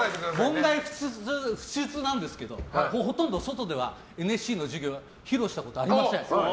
門外不出なんですけどほとんど外ではＮＳＣの授業披露したことありません。